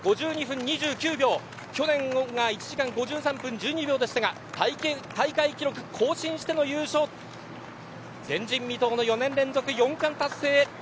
去年が１時間５３分１２秒でしたが大会記録更新しての優勝前人未到の４年連続４冠達成。